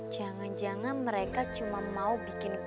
jangan jangan mereka cuma mau bikin keadaan rafa